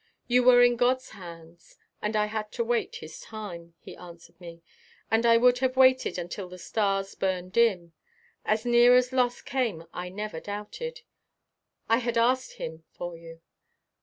"You were in God's hands and I had to wait His time," he answered me. "And I would have waited until the stars burn dim. As near as loss came I never doubted. I had asked Him for you."